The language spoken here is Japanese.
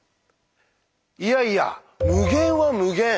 「いやいや無限は無限。